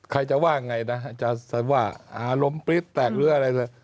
ใครจะว่าไงนะจะว่าอารมณ์ปริ๊ดแตกหรืออะไร